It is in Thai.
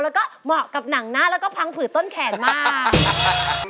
แล้วก็เหมาะกับหนังหน้าแล้วก็พังผืดต้นแขนมาก